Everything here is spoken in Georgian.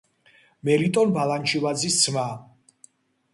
მელიტონ ბალანჩივაძის ძმა.